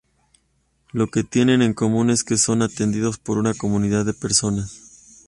Lo que tienen en común es que son atendidos por una comunidad de personas.